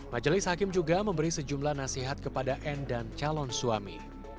majelis hakim juga memberi sejumlah nasihat kepada n dan calon suami